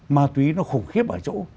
ma tí nó khủng khiếp ở chỗ